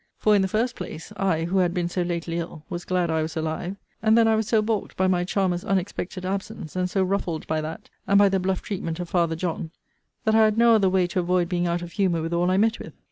For, in the first place, I, who had been so lately ill, was glad I was alive; and then I was so balked by my charmer's unexpected absence, and so ruffled by that, and by the bluff treatment of father John, that I had no other way to avoid being out of humour with all I met with.